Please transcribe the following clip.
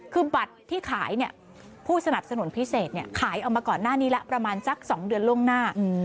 คือบัตรที่ขายเนี่ยผู้สนับสนุนพิเศษขายออกมาก่อนหน้านี้แล้วประมาณสัก๒เดือนล่วงหน้า